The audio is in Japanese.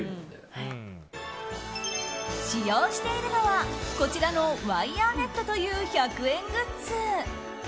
使用しているのは、こちらのワイヤーネットという１００円グッズ。